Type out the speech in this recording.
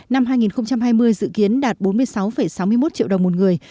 năm hai nghìn hai mươi dự kiến đạt bốn mươi sáu sáu mươi một triệu đồng một người